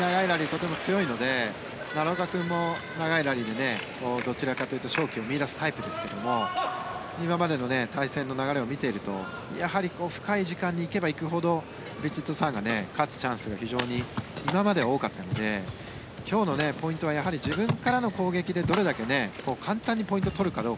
とても強いので奈良岡君も長いラリーにどちらかというと勝機を見いだすタイプですが今までの対戦の流れを見ているとやはり深い時間に行けば行くほどヴィチットサーンが勝つチャンスが今までは多かったので今日のポイントは自分からの攻撃でどれだけ簡単にポイントを取るか。